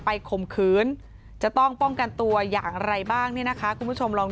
ข่มขืนจะต้องป้องกันตัวอย่างไรบ้างเนี่ยนะคะคุณผู้ชมลอง